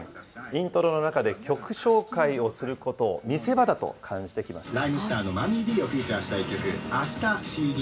イントロの中で曲紹介をすることを見せ場だと感じてきました。